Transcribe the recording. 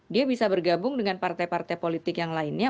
dia bisa bergabung dengan partai partai politik yang lainnya